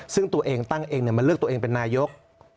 ซึ่งตัวเองตั้งเองมาเลือกตัวเองเป็นนายก